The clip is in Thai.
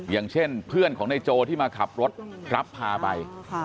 อย่างเช่นเพื่อนของนายโจที่มาขับรถรับพาไป